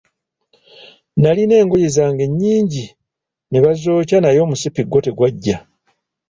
Nalina engoye zange nnyingi ne bazookya naye omusipi gwo tegwaggya.